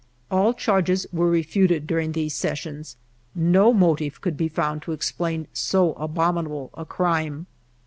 All charges were refuted during these sessions. No motive could be found to explain so abomi nable a crime.